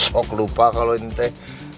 wok lupa kalau ini teh